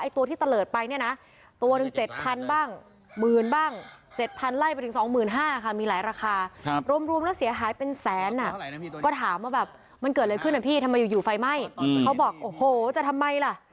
ตามว่าแบบมันเกิดอะไรขึ้นนะพี่ทำไมอยู่อยู่ไฟไหม้เขาบอกโอ้โหจะทำไมล่ะ